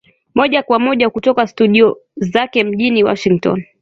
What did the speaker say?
moja kwa moja kutoka studio zake mjini Washington